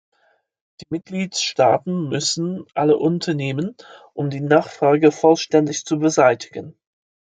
Die Mitgliedstaaten müssen alles unternehmen, um die Nachfrage vollständig zu beseitigen.